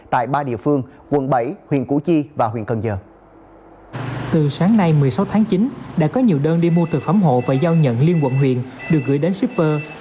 từ sáng nay một mươi sáu tháng chín đã có nhiều đơn đi mua thực phẩm hộ và giao nhận liên quận huyện được gửi đến shipper